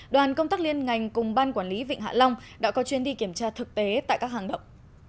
đoàn công tác liên ngành cùng ban quản lý vịnh hạ long đã có chuyến đi kiểm tra thực tế tại các hàng động